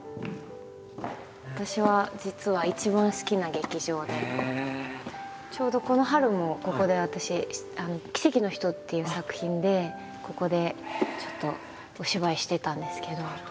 私は実はちょうどこの春もここで私「奇跡の人」っていう作品でここでちょっとお芝居してたんですけど。